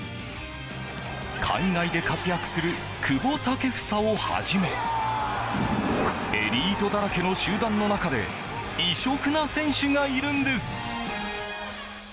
海外で活躍する久保建英をはじめエリートだらけの集団の中で異色な選手がいるんです。